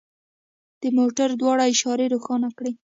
د موټر دواړه اشارې روښانه کړئ